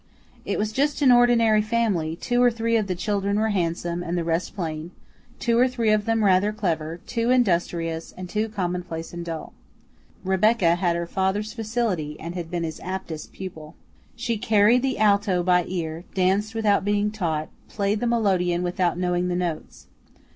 It was just an ordinary family; two or three of the children were handsome and the rest plain, three of them rather clever, two industrious, and two commonplace and dull. Rebecca had her father's facility and had been his aptest pupil. She "carried" the alto by ear, danced without being taught, played the melodeon without knowing the notes.